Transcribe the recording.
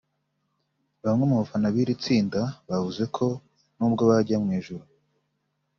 Bamwe mu bafana b'iri tsinda bavuze ko n'ubwo bajya mu ijuru